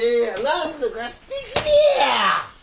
なんとかしてくれや！